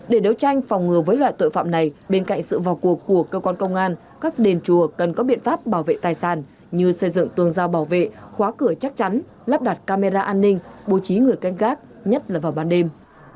để đấu tranh phòng ngừa với loại tội phạm này bên cạnh sự vào cuộc của cơ quan công an các đền chùa cần có biện pháp bảo vệ tài sản như xây dựng tường rào bảo vệ khóa cửa chắc chắn lắp đặt camera an ninh bố trí người canh gác nhất là vào ban đêm